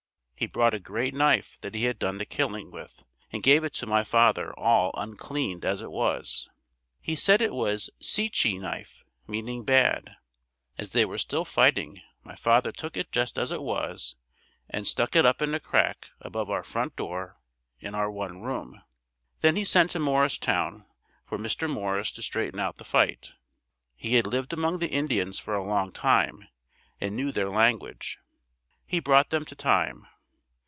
He brought a great knife that he had done the killing with and gave it to my father all uncleaned as it was. He said it was "seechy" knife, meaning bad. As they were still fighting, my father took it just as it was and stuck it up in a crack above our front door in our one room. Then he sent to Morristown for Mr. Morris to straighten out the fight. He had lived among the Indians for a long time and knew their language. He brought them to time.